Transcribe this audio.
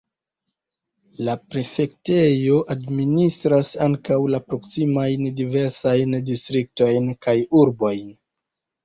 La prefektejo administras ankaŭ la proksimajn diversajn distriktojn kaj urbojn.